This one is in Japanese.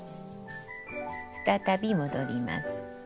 再び戻ります。